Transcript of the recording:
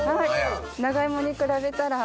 長いもに比べたら。